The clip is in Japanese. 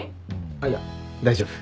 あっいや大丈夫。